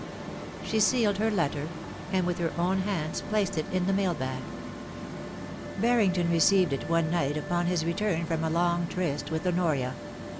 She sealed her letter, and with her own hands placed it in the mail bag. Barrington received it one night upon his return from a long tryst with Honoria.